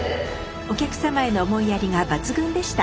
お客様への思いやりが抜群でした。